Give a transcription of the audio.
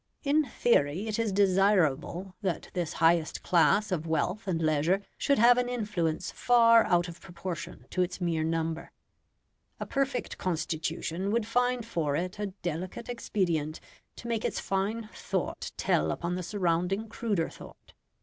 In theory it is desirable that this highest class of wealth and leisure should have an influence far out of proportion to its mere number: a perfect constitution would find for it a delicate expedient to make its fine thought tell upon the surrounding cruder thought.